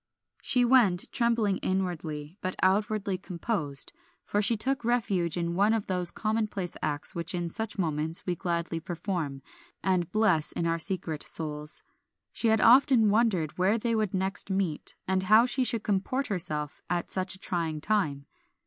She went, trembling inwardly, but outwardly composed, for she took refuge in one of those commonplace acts which in such moments we gladly perform, and bless in our secret souls. She had often wondered where they would next meet, and how she should comport herself at such a trying time.